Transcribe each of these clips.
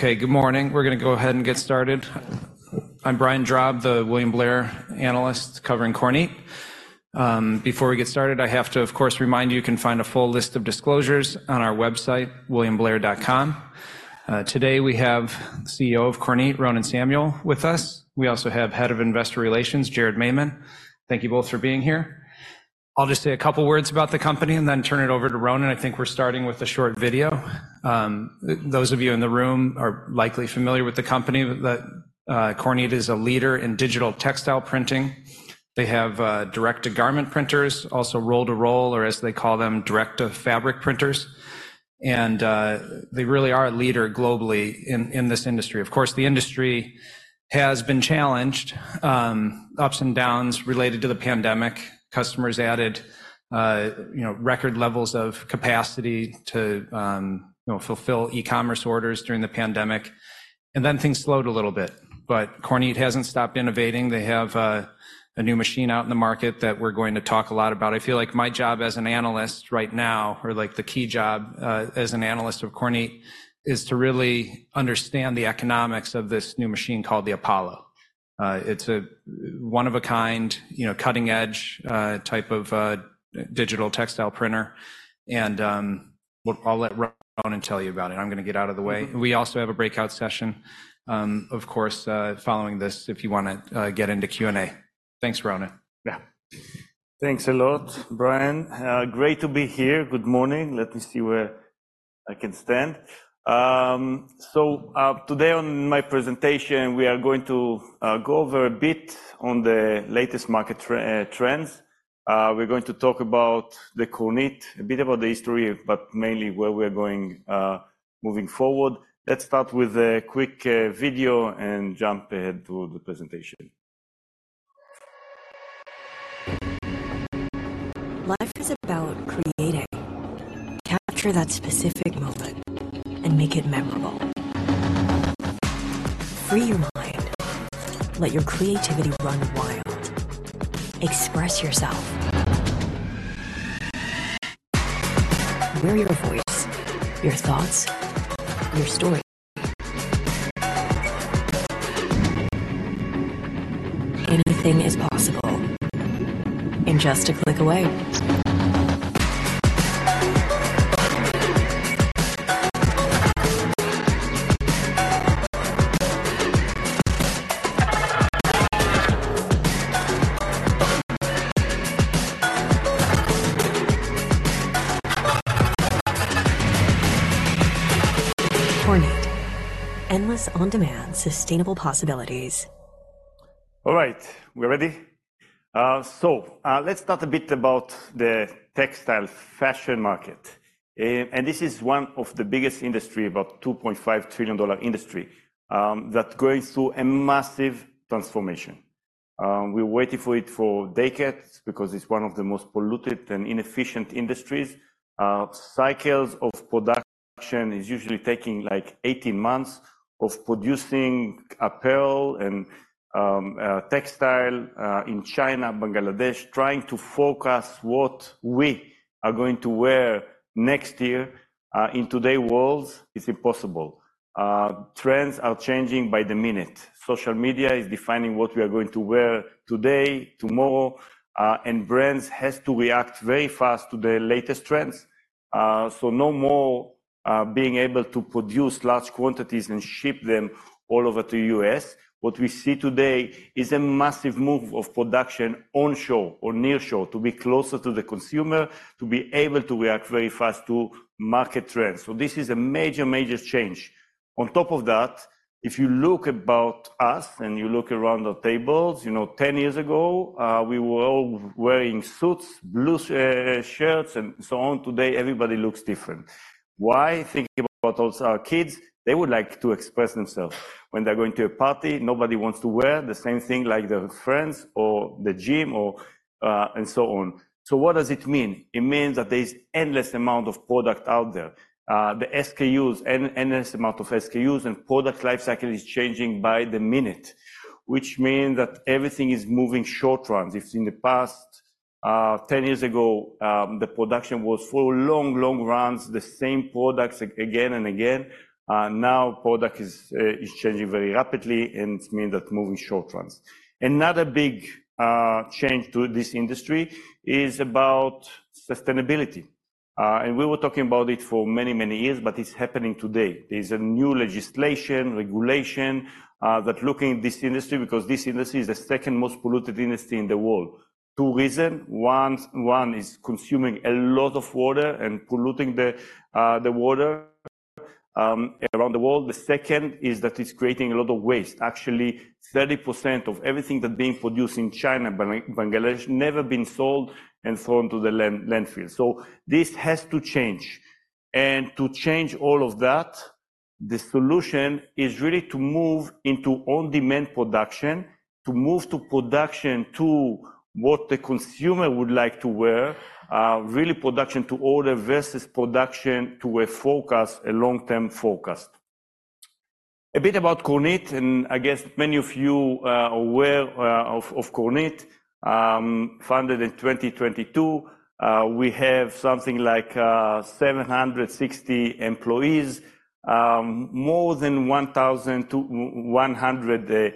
Okay, good morning. We're gonna go ahead and get started. I'm Brian Drab, the William Blair analyst covering Kornit. Before we get started, I have to, of course, remind you, you can find a full list of disclosures on our website, williamblair.com. Today we have CEO of Kornit, Ronen Samuel, with us. We also have Head of Investor Relations, Jared Maymon. Thank you both for being here. I'll just say a couple words about the company and then turn it over to Ronen. I think we're starting with a short video. Those of you in the room are likely familiar with the company, that Kornit is a leader in digital textile printing. They have direct-to-garment printers, also roll-to-roll, or as they call them, direct-to-fabric printers, and they really are a leader globally in this industry. Of course, the industry has been challenged, ups and downs related to the pandemic. Customers added, you know, record levels of capacity to, you know, fulfill e-commerce orders during the pandemic, and then things slowed a little bit. But Kornit hasn't stopped innovating. They have a new machine out in the market that we're going to talk a lot about. I feel like my job as an analyst right now, or, like, the key job as an analyst of Kornit, is to really understand the economics of this new machine called the Apollo. It's a one-of-a-kind, you know, cutting-edge type of digital textile printer, and, well, I'll let Ronen tell you about it. I'm gonna get out of the way. We also have a breakout session, of course, following this, if you wanna get into Q&A. Thanks, Ronen. Yeah. Thanks a lot, Brian. Great to be here. Good morning. Let me see where I can stand. So, today on my presentation, we are going to go over a bit on the latest market trends. We're going to talk about the Kornit, a bit about the history, but mainly where we're going moving forward. Let's start with a quick video and jump ahead to the presentation. Life is about creating. Capture that specific moment and make it memorable. Free your mind. Let your creativity run wild. Express yourself. Hear your voice, your thoughts, your story. Anything is possible, and just a click away. Kornit: endless on-demand, sustainable possibilities. All right, we're ready? So, let's talk a bit about the textile fashion market. And this is one of the biggest industry, about $2.5 trillion industry, that's going through a massive transformation. We waited for it for decades because it's one of the most polluted and inefficient industries. Cycles of production is usually taking, like, 18 months of producing apparel and textile, in China, Bangladesh, trying to forecast what we are going to wear next year. In today world, it's impossible. Trends are changing by the minute. Social media is defining what we are going to wear today, tomorrow, and brands has to react very fast to the latest trends. So no more being able to produce large quantities and ship them all over to US. What we see today is a massive move of production onshore or nearshore, to be closer to the consumer, to be able to react very fast to market trends. So this is a major, major change. On top of that, if you look about us, and you look around the tables, you know, 10 years ago, we were all wearing suits, blue shirts, and so on. Today, everybody looks different. Why? Thinking about also our kids, they would like to express themselves. When they're going to a party, nobody wants to wear the same thing like their friends or the gym or and so on. So what does it mean? It means that there's endless amount of product out there. The SKUs, an endless amount of SKUs and product lifecycle is changing by the minute, which mean that everything is moving short runs. If in the past, 10 years ago, the production was for long, long runs, the same products again and again, now product is changing very rapidly, and it mean that moving short runs. Another big change to this industry is about sustainability. And we were talking about it for many, many years, but it's happening today. There's a new legislation, regulation that looking at this industry, because this industry is the second most polluted industry in the world. Two reason, one is consuming a lot of water and polluting the water around the world. The second is that it's creating a lot of waste. Actually, 30% of everything that being produced in China, Bangladesh, never been sold and thrown to the landfill. So this has to change, and to change all of that, the solution is really to move into on-demand production, to move to production to what the consumer would like to wear, really production to order versus production to a forecast, a long-term forecast. A bit about Kornit, and I guess many of you are aware of Kornit. Founded in 2002. We have something like 760 employees, more than 1,200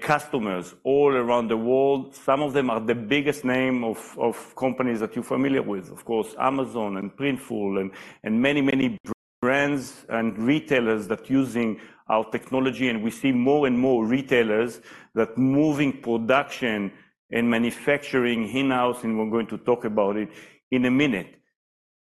customers all around the world. Some of them are the biggest name of companies that you're familiar with, of course, Amazon and Printful, and many, many brands and retailers that using our technology. And we see more and more retailers that moving production and manufacturing in-house, and we're going to talk about it in a minute.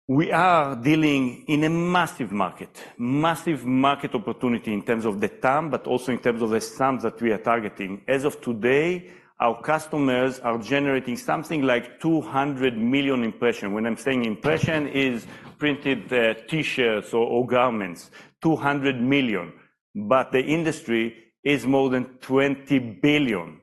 We are dealing in a massive market, massive market opportunity in terms of the TAM, but also in terms of the SAM that we are targeting. As of today, our customers are generating something like 200 million impressions. When I'm saying impressions are printed, T-shirts or garments, 200 million. But the industry is more than 20 billion,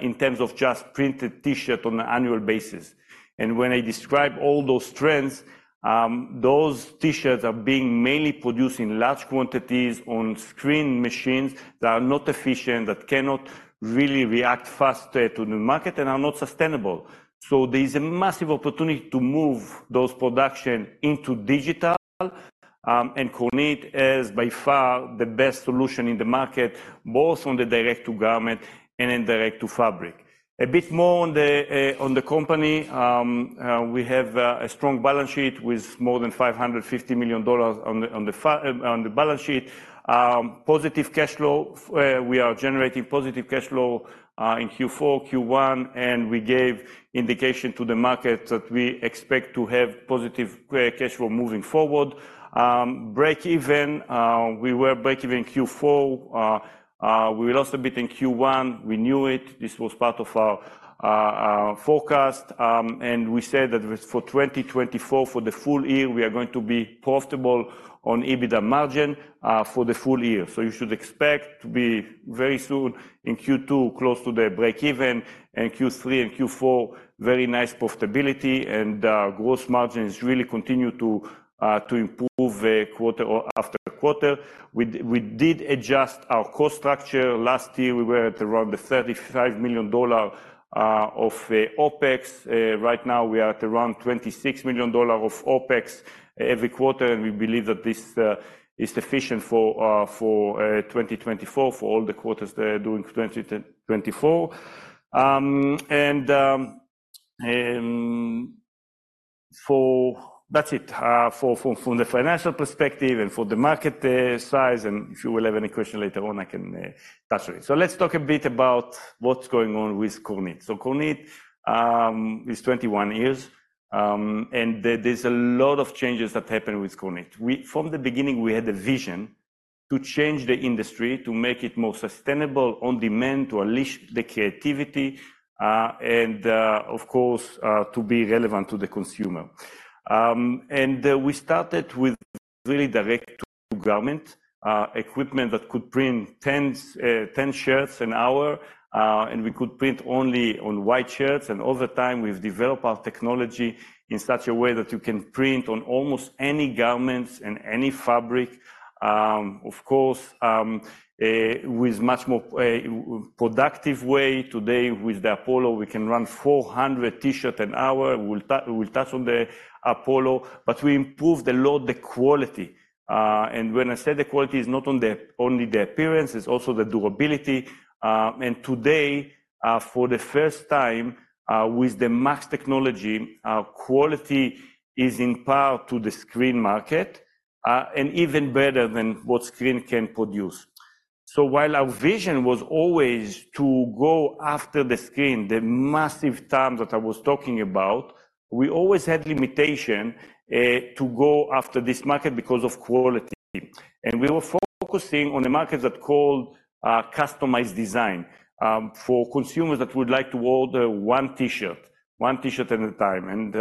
in terms of just printed T-shirt on an annual basis. And when I describe all those trends, those T-shirts are being mainly produced in large quantities on screen machines that are not efficient, that cannot really react faster to new market, and are not sustainable. So there's a massive opportunity to move those production into digital, and Kornit is by far the best solution in the market, both on the direct to garment and in direct to fabric. A bit more on the, on the company. We have a strong balance sheet with more than $550 million on the, on the balance sheet. Positive cash flow. We are generating positive cash flow in Q4, Q1, and we gave indication to the market that we expect to have positive cash flow moving forward. Breakeven, we were breakeven Q4. We will also be in Q1. We knew it. This was part of our forecast, and we said that for 2024, for the full year, we are going to be profitable on EBITDA margin for the full year. So you should expect to be very soon in Q2, close to the breakeven, and Q3 and Q4, very nice profitability and gross margins really continue to improve, quarter after quarter. We did adjust our cost structure. Last year, we were at around $35 million of OpEx. Right now, we are at around $26 million of OpEx every quarter, and we believe that this is sufficient for 2024, for all the quarters during 2024. That's it, from the financial perspective and for the market size, and if you will have any question later on, I can touch on it. So let's talk a bit about what's going on with Kornit. So Kornit is 21 years, and there's a lot of changes that happened with Kornit. From the beginning, we had a vision to change the industry, to make it more sustainable, on-demand, to unleash the creativity, and, of course, to be relevant to the consumer. And we started with really direct-to-garment equipment that could print 10 shirts an hour, and we could print only on white shirts. Over time, we've developed our technology in such a way that you can print on almost any garments and any fabric. Of course, with much more productive way. Today, with the Apollo, we can run 400 T-shirts an hour. We'll touch on the Apollo, but we improved a lot, the quality. And when I say the quality is not only the appearance, it's also the durability. And today, for the first time, with the MAX technology, our quality is in par to the screen market, and even better than what screen can produce. So while our vision was always to go after the screen, the massive TAM that I was talking about, we always had limitation to go after this market because of quality. And we were focusing on the market that's called customized design, for consumers that would like to order one T-shirt, one T-shirt at a time. And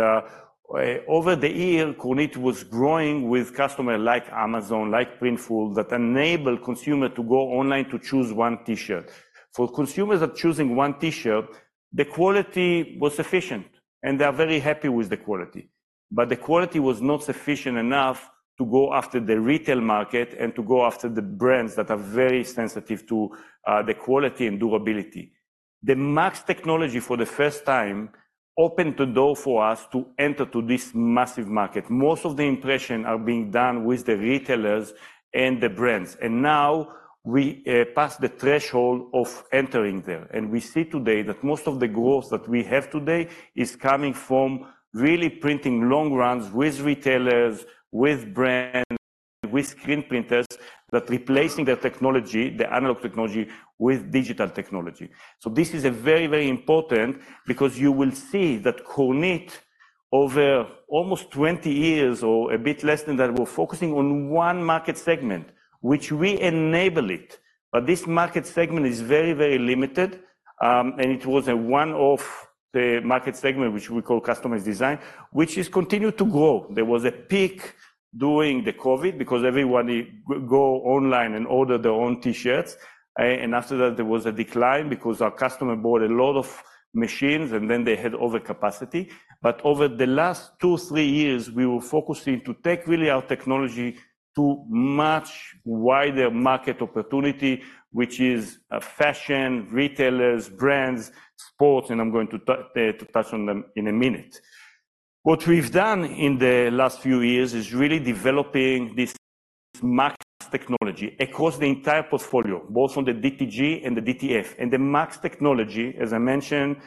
over the year, Kornit was growing with customer like Amazon, like Printful, that enable consumer to go online to choose one T-shirt. For consumers that choosing one T-shirt, the quality was sufficient, and they are very happy with the quality, but the quality was not sufficient enough to go after the retail market and to go after the brands that are very sensitive to the quality and durability. The MAX technology, for the first time, opened the door for us to enter to this massive market. Most of the impression are being done with the retailers and the brands, and now we passed the threshold of entering there. We see today that most of the growth that we have today is coming from really printing long runs with retailers, with brands, with screen printers, that replacing the technology, the analog technology, with digital technology. So this is a very, very important, because you will see that Kornit, over almost 20 years, or a bit less than that, we're focusing on one market segment, which we enable it, but this market segment is very, very limited, and it was the market segment, which we call customized design, which is continued to grow. There was a peak during the COVID because everybody go online and order their own T-shirts. And after that, there was a decline because our customer bought a lot of machines, and then they had overcapacity. But over the last two, three years, we were focusing to take really our technology to much wider market opportunity, which is, fashion, retailers, brands, sports, and I'm going to touch on them in a minute. What we've done in the last few years is really developing this MAX technology across the entire portfolio, both on the DTG and the DTF. The MAX technology, as I mentioned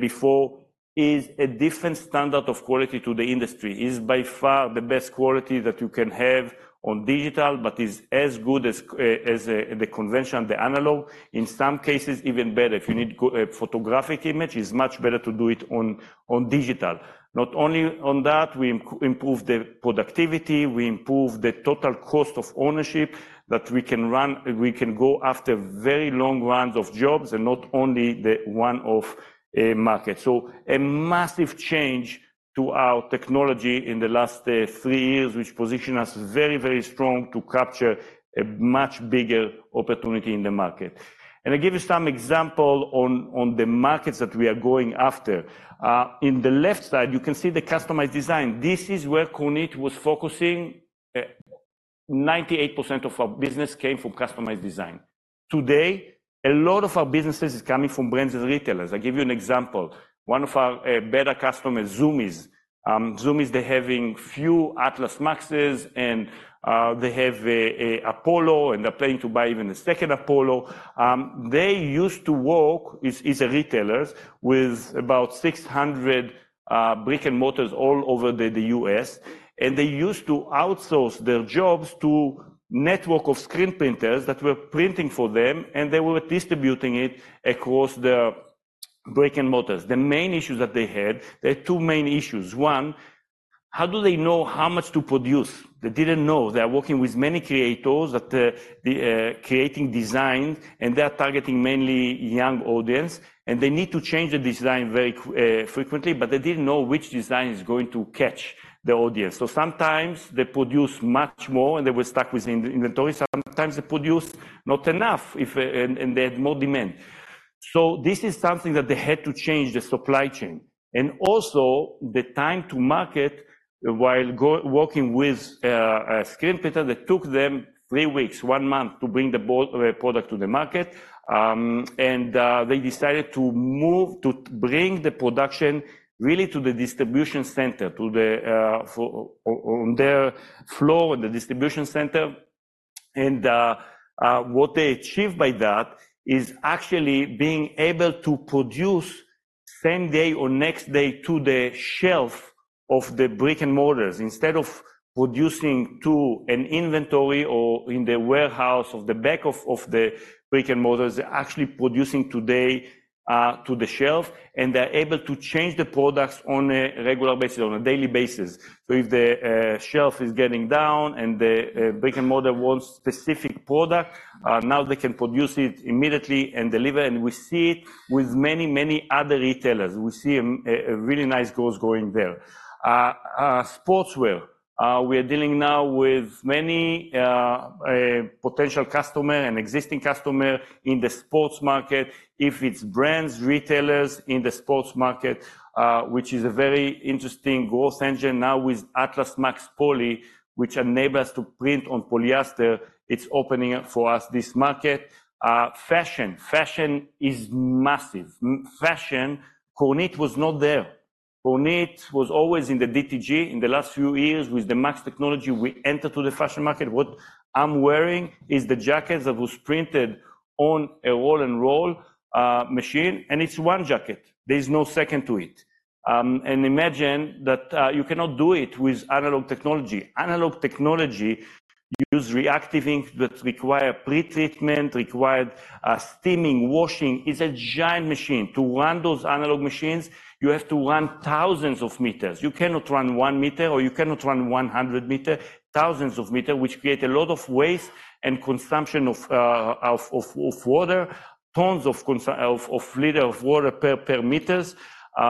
before, is a different standard of quality to the industry. Is by far the best quality that you can have on digital, but is as good as the conventional, the analog, in some cases, even better. If you need go photographic image, is much better to do it on digital. Not only on that, we improve the productivity, we improve the total cost of ownership, that we can go after very long runs of jobs and not only the one-off market. So a massive change to our technology in the last 3 years, which position us very, very strong to capture a much bigger opportunity in the market. And I give you some example on the markets that we are going after. In the left side, you can see the customized design. This is where Kornit was focusing. 98% of our business came from customized design. Today, a lot of our businesses is coming from brands and retailers. I give you an example. One of our better customer is Zumiez. Zumiez, they're having few Atlas MAXes and they have a Apollo, and they're planning to buy even a second Apollo. They used to work, it's a retailer with about 600 brick-and-mortars all over the US, and they used to outsource their jobs to a network of screen printers that were printing for them, and they were distributing it across the brick-and-mortars. The main issues that they had... They had two main issues. One, how do they know how much to produce? They didn't know. They are working with many creators that they creating designs, and they are targeting mainly young audience, and they need to change the design very frequently, but they didn't know which design is going to catch the audience. So sometimes they produce much more, and they were stuck with inventory. Sometimes they produce not enough, and they had more demand. So this is something that they had to change, the supply chain. Also the time to market, while working with a screen printer, that took them three weeks, one month, to bring the product to the market. They decided to move, to bring the production really to the distribution center, to the floor in the distribution center. What they achieved by that is actually being able to produce same day or next day to the shelf of the brick-and-mortars. Instead of producing to an inventory or in the warehouse of the back of the brick-and-mortars, they're actually producing today to the shelf, and they're able to change the products on a regular basis, on a daily basis. So if the shelf is getting down and the brick-and-mortar wants specific product, now they can produce it immediately and deliver, and we see it with many, many other retailers. We see a really nice growth going there. Sportswear. We are dealing now with many potential customer and existing customer in the sports market. If it's brands, retailers in the sports market, which is a very interesting growth engine now with Atlas MAX Poly, which enable us to print on polyester, it's opening up for us this market. Fashion. Fashion is massive. Fashion, Kornit was not there. Kornit was always in the DTG. In the last few years, with the MAX technology, we entered to the fashion market. What I'm wearing is the jacket that was printed on a roll-to-roll machine, and it's one jacket. There is no second to it. Imagine that, you cannot do it with analog technology. Analog technology use reactive ink that require pretreatment, steaming, washing. Is a giant machine. To run those analog machines, you have to run thousands of meters. You cannot run 1 meter, or you cannot run 100 meters, thousands of meters, which create a lot of waste and consumption of water, tons of liters of water per meters. We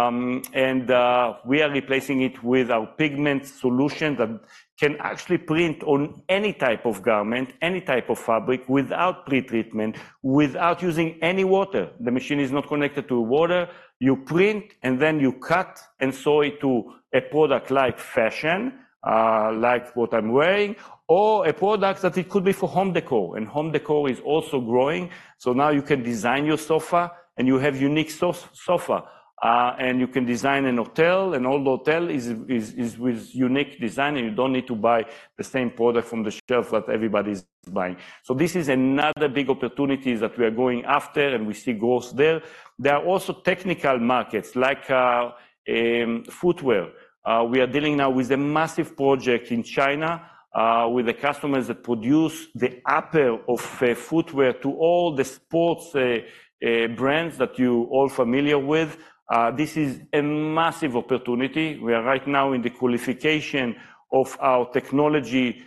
are replacing it with our pigment solution that can actually print on any type of garment, any type of fabric, without pretreatment, without using any water. The machine is not connected to water. You print, and then you cut and sew it to a product like fashion, like what I'm wearing, or a product that it could be for home decor, and home decor is also growing. So now you can design your sofa, and you have unique sofa, and you can design a hotel, and all the hotel is with unique design, and you don't need to buy the same product from the shelf that everybody's buying. So this is another big opportunity that we are going after, and we see growth there. There are also technical markets, like footwear. We are dealing now with a massive project in China, with the customers that produce the upper of footwear to all the sports brands that you all familiar with. This is a massive opportunity. We are right now in the qualification of our technology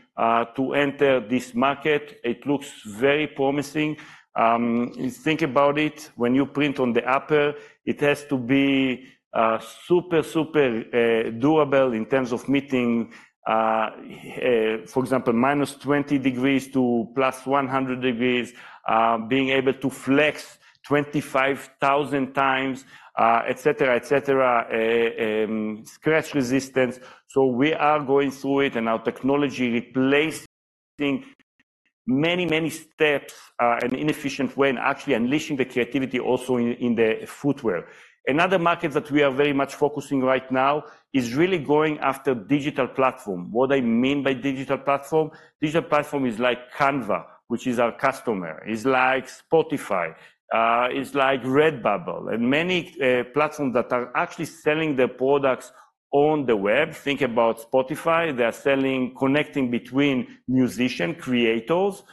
to enter this market. It looks very promising. Think about it, when you print on the upper, it has to be super, super doable in terms of meeting, for example, -20 degrees to +100 degrees, being able to flex 25,000 times, et cetera, et cetera, scratch resistance. So we are going through it, and our technology replace many, many steps, an inefficient way and actually unleashing the creativity also in the footwear. Another market that we are very much focusing right now is really going after digital platform. What I mean by digital platform? Digital platform is like Canva, which is our customer. It's like Spotify, it's like Redbubble, and many platforms that are actually selling their products on the web. Think about Spotify, they are selling, connecting between musician creators,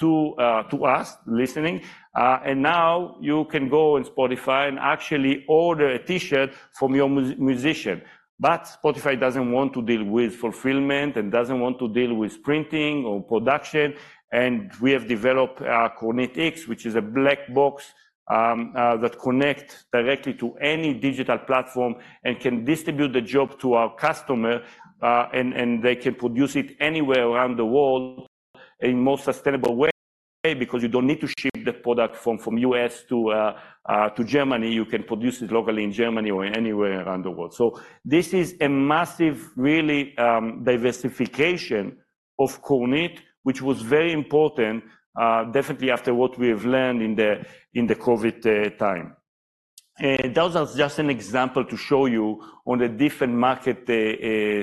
to us, listening. And now you can go on Spotify and actually order a T-shirt from your musician. But Spotify doesn't want to deal with fulfillment and doesn't want to deal with printing or production, and we have developed KornitX, which is a black box that connect directly to any digital platform and can distribute the job to our customer, and they can produce it anywhere around the world in more sustainable way, because you don't need to ship the product from US to Germany. You can produce it locally in Germany or anywhere around the world. So this is a massive, really, diversification of Kornit, which was very important, definitely after what we have learned in the, in the COVID, time. And those are just an example to show you on the different market,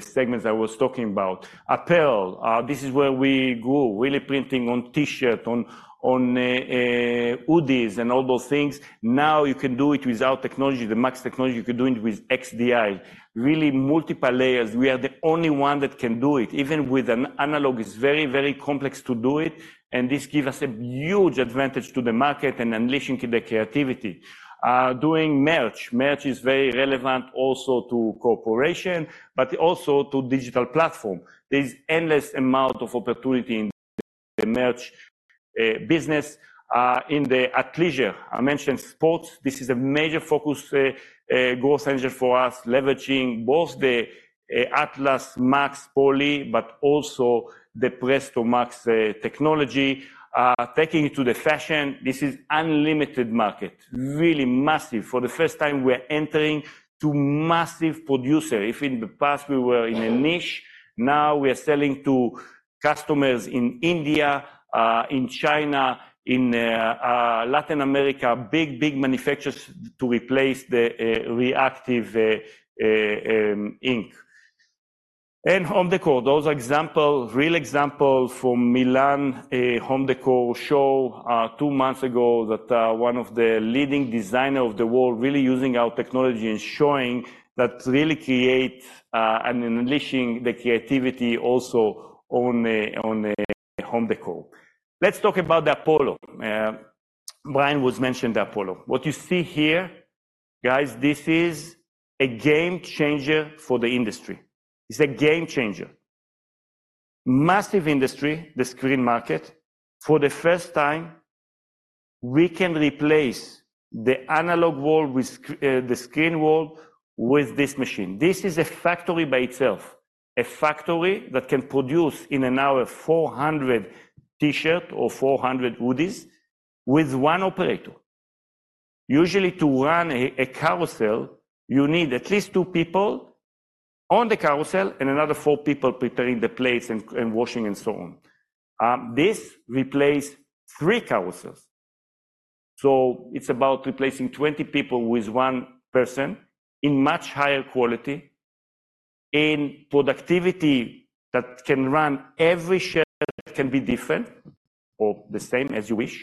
segments I was talking about. Apparel, this is where we grew, really printing on T-shirt, on, on, hoodies, and all those things. Now, you can do it with our technology, the MAX technology, you can do it with XDi. Really multiple layers. We are the only one that can do it. Even with an analog, it's very, very complex to do it, and this give us a huge advantage to the market and unleashing the creativity. Doing merch. Merch is very relevant also to corporation, but also to digital platform. There's endless amount of opportunity in the merch, business. In the athleisure, I mentioned sports, this is a major focus, growth engine for us, leveraging both the, Atlas MAX Poly, but also the Presto MAX, technology. Taking it to the fashion, this is unlimited market, really massive. For the first time, we're entering to massive producer. If in the past we were in a niche, now we are selling to customers in India, in China, in, Latin America. Big, big manufacturers to replace the, reactive, ink. And home decor. Those are example, real examples from Milan, a home decor show, two months ago, that, one of the leading designer of the world really using our technology and showing that really create, and unleashing the creativity also on the, on the home decor. Let's talk about the Apollo. Brian was mentioned Apollo. What you see here, guys, this is a game changer for the industry. It's a game changer. Massive industry, the screen market. For the first time, we can replace the analog world with the screen world with this machine. This is a factory by itself. A factory that can produce in an hour, 400 T-shirts or 400 hoodies with one operator. Usually, to run a carousel, you need at least two people on the carousel and another four people preparing the plates and washing, and so on. This replaces three carousels. So it's about replacing 20 people with one person in much higher quality, in productivity that can run every shirt, can be different or the same, as you wish.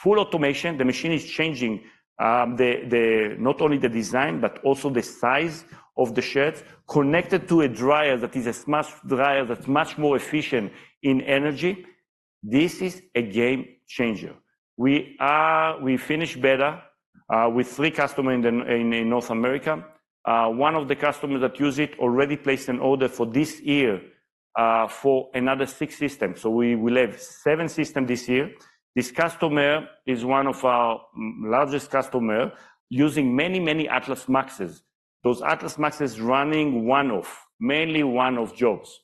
Full automation, the machine is changing, the... not only the design, but also the size of the shirt, connected to a dryer that is a much dryer, that's much more efficient in energy. This is a game changer. We finished beta with 3 customers in North America. One of the customers that use it already placed an order for this year for another 6 systems. So we will have 7 systems this year. This customer is one of our largest customers, using many, many Atlas MAXes. Those Atlas MAXes running one-off, mainly one-off jobs.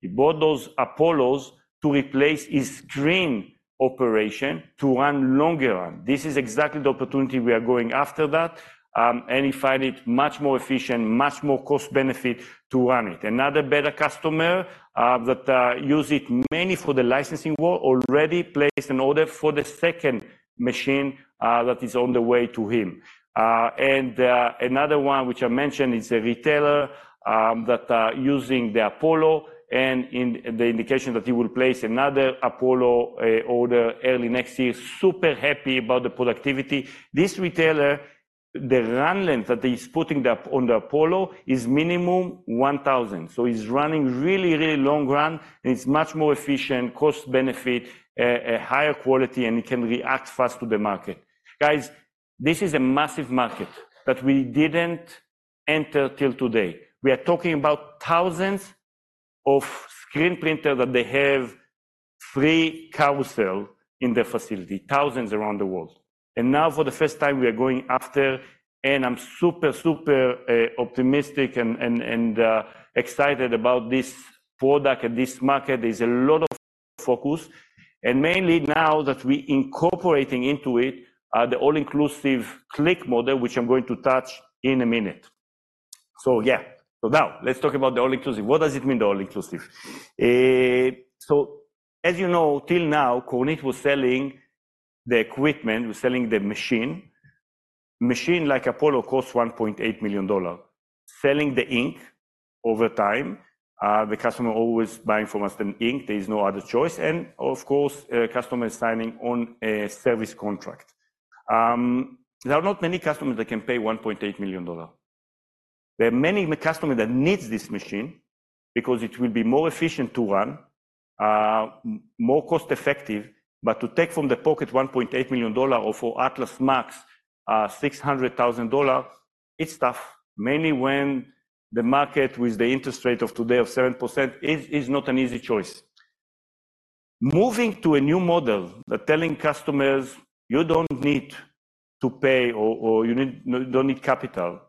He bought those Apollos to replace his screen operation to run longer run. This is exactly the opportunity we are going after that, and he find it much more efficient, much more cost benefit to run it. Another beta customer that use it mainly for the licensing world already placed an order for the second machine that is on the way to him. Another one, which I mentioned, is a retailer that using the Apollo, and the indication that he will place another Apollo order early next year. Super happy about the productivity. This retailer, the run length that he's putting on the Apollo is minimum 1,000. So he's running really, really long run, and it's much more efficient, cost benefit, a higher quality, and he can react fast to the market. Guys, this is a massive market that we didn't enter till today. We are talking about thousands of screen printers that they have 3 carousel in their facility, thousands around the world. And now, for the first time, we are going after, and I'm super, super, optimistic and, and, and, excited about this product and this market. There's a lot of focus, and mainly now that we incorporating into it, the all-inclusive click model, which I'm going to touch in a minute. So, yeah. So now let's talk about the all-inclusive. What does it mean, the all-inclusive? So as you know, till now, Kornit was selling the equipment, was selling the machine. Machine like Apollo costs $1.8 million. Selling the ink over time, the customer always buying from us the ink, there is no other choice, and of course, customer is signing on a service contract. There are not many customers that can pay $1.8 million. There are many customer that needs this machine because it will be more efficient to run, more cost-effective, but to take from the pocket $1.8 million or for Atlas MAX, $600,000, it's tough. Mainly when the market, with the interest rate of today of 7%, is not an easy choice. Moving to a new model, that telling customers, "You don't need to pay or, or you need-- you don't need capital,"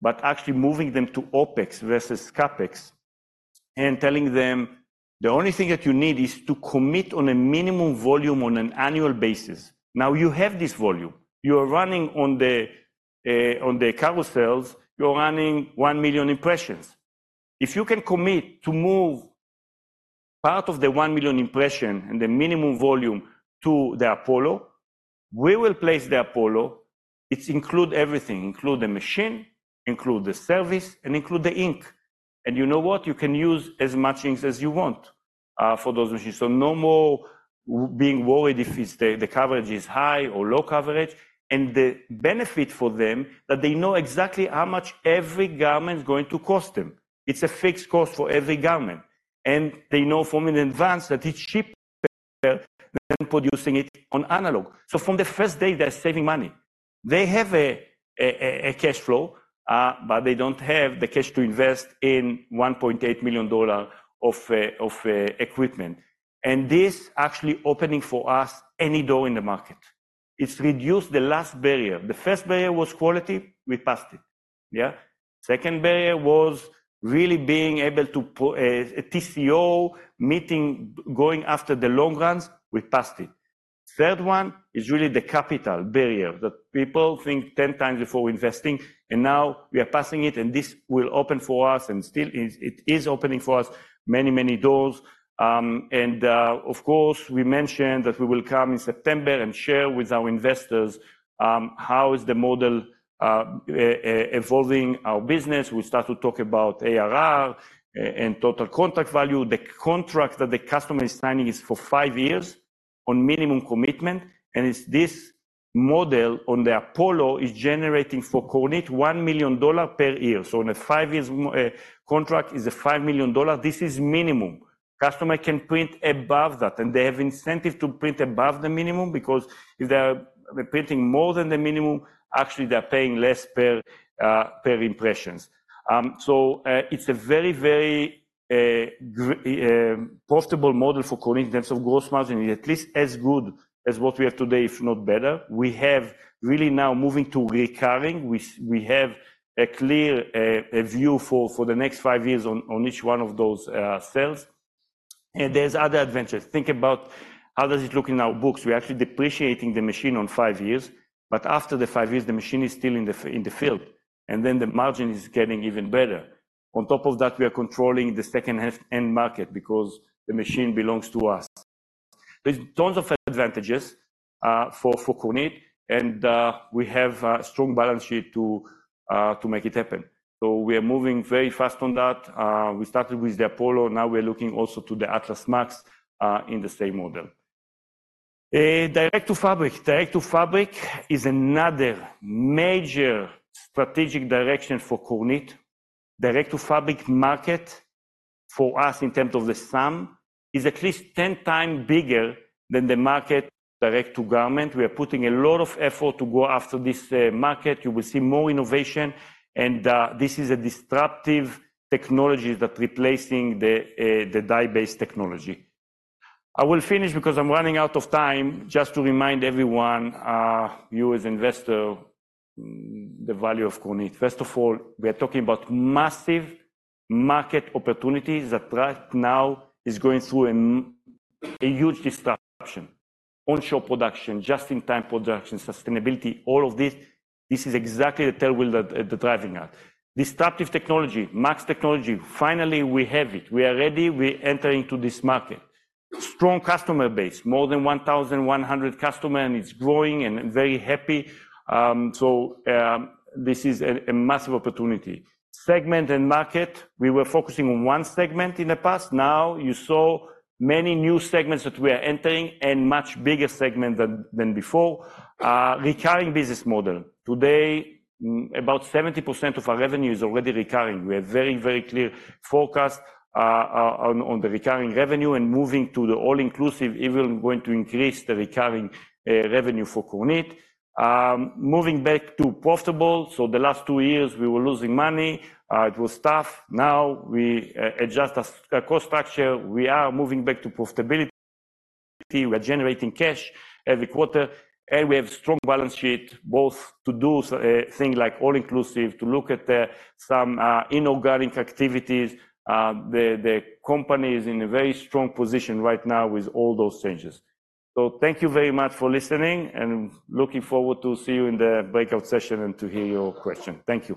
but actually moving them to OpEx versus CapEx and telling them, "The only thing that you need is to commit on a minimum volume on an annual basis." Now, you have this volume. You are running on the, on the carousels, you're running 1 million impressions. If you can commit to move part of the 1 million impression and the minimum volume to the Apollo, we will place the Apollo. It include everything, include the machine, include the service, and include the ink. And you know what? You can use as much inks as you want for those machines. So no more being worried if it's the coverage is high or low coverage, and the benefit for them, that they know exactly how much every garment is going to cost them. It's a fixed cost for every garment, and they know from in advance that it's cheaper than producing it on analog. So from the first day, they're saving money. They have a cash flow, but they don't have the cash to invest in $1.8 million of equipment. This actually opening for us any door in the market. It's reduced the last barrier. The first barrier was quality, we passed it. Yeah? Second barrier was really being able to put a TCO meeting going after the long runs, we passed it. Third one is really the capital barrier, that people think 10 times before investing, and now we are passing it, and this will open for us and still is, it is opening for us many, many doors. And of course, we mentioned that we will come in September and share with our investors, how the model is evolving our business. We start to talk about ARR and total contract value. The contract that the customer is signing is for 5 years on minimum commitment, and it's this model on the Apollo is generating for Kornit $1 million per year. So on a 5 years contract is a $5 million. This is minimum. Customer can print above that, and they have incentive to print above the minimum because if they are printing more than the minimum, actually, they're paying less per impressions. So, it's a very, very, profitable model for Kornit in terms of gross margin, at least as good as what we have today, if not better. We have really now moving to recurring. We have a clear view for the next 5 years on each one of those sales. And there's other advantages. Think about how does it look in our books. We're actually depreciating the machine on 5 years, but after the 5 years, the machine is still in the field, and then the margin is getting even better. On top of that, we are controlling the second-hand end market because the machine belongs to us. There's tons of advantages for Kornit, and we have a strong balance sheet to make it happen. So we are moving very fast on that. We started with the Apollo, now we're looking also to the Atlas MAX in the same model. Direct-to-fabric. Direct-to-fabric is another major strategic direction for Kornit. Direct-to-fabric market for us, in terms of the SAM, is at least 10 times bigger than the market direct-to-garment. We are putting a lot of effort to go after this market. You will see more innovation, and this is a disruptive technology that replacing the the dye-based technology. I will finish because I'm running out of time. Just to remind everyone, you as investor, the value of Kornit. First of all, we are talking about massive market opportunities that right now is going through a huge disruption. Onshore production, just-in-time production, sustainability, all of this, this is exactly the tailwind that the driving us. Disruptive technology, MAX technology, finally, we have it. We are ready. We enter into this market. Strong customer base, more than 1,100 customers, and it's growing and very happy. So, this is a massive opportunity. Segment and market, we were focusing on one segment in the past. Now, you saw many new segments that we are entering and much bigger segment than before. Recurring business model. Today, about 70% of our revenue is already recurring. We have very, very clear focus on the recurring revenue, and moving to the all-inclusive, even going to increase the recurring revenue for Kornit. Moving back to profitable, so the last two years, we were losing money. It was tough. Now, we adjust cost structure. We are moving back to profitability. We're generating cash every quarter, and we have strong balance sheet, both to do thing like all-inclusive, to look at some inorganic activities. The company is in a very strong position right now with all those changes. So thank you very much for listening, and looking forward to see you in the breakout session and to hear your question. Thank you.